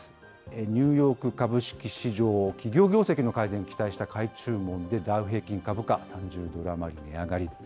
ニューヨーク株式市場、企業業績の改善期待した買い注文で、ダウ平均株価、３０ドル余り値上がり。